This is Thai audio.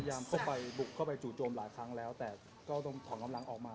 เข้าไปบุกเข้าไปจู่โจมหลายครั้งแล้วแต่ก็ต้องถอนกำลังออกมา